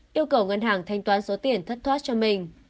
yêu cầu ngân hàng thanh toán số tiền thất thoát cho mình